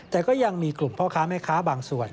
แต่ก็ยังมีกลุ่มพ่อค้าแม่ค้าบางส่วน